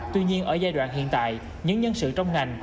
tuy nhiên ở giai đoạn hiện tại những nhân sự trong ngành